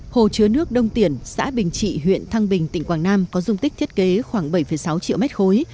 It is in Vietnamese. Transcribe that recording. hồ chứa nước đông tiển xã bình trị huyện thăng bình tỉnh quảng nam có dung tích thiết kế khoảng bảy sáu triệu mét khối